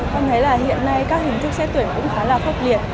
con thấy là hiện nay các hình thức xét tuyển cũng khá là khốc liệt